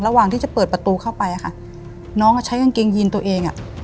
ระหว่างที่จะเปิดประตูเข้าไปค่ะน้องก็ใช้กางเกงยีนตัวเองอ่ะ